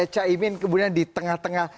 caimin kemudian di tengah tengah